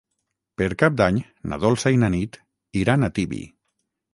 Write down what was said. Per Cap d'Any na Dolça i na Nit iran a Tibi.